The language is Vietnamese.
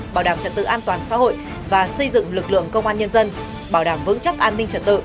bảo đảm trật tự an toàn xã hội và xây dựng lực lượng công an nhân dân bảo đảm vững chắc an ninh trật tự